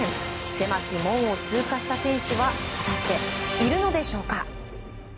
狭き門を通過した選手は果たして、いるのでしょうか。